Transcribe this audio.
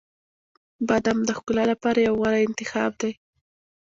• بادام د ښکلا لپاره یو غوره انتخاب دی.